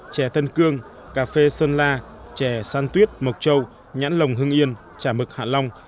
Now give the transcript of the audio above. chè tân cương cà phê sơn la chè san tuyết mộc trâu nhãn lồng hương yên chả mực hạ lông